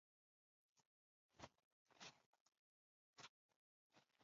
Magonjwa ya mifugo hupunguza kiwango cha ufugaji na biashara za mifugo